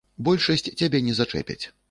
Большасць цябе не зачэпяць.